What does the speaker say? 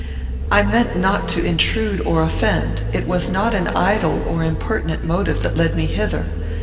"I meant not to intrude or offend. It was not an idle or impertinent motive that led me hither.